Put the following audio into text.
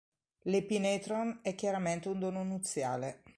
L'epinetron è chiaramente un dono nuziale.